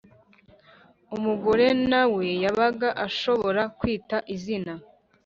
Umugore na we yabaga ashobora kwita izina